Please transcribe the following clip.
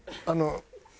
あの。